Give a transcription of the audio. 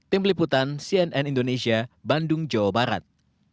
tim liputan cnn indonesia bandung jawa barat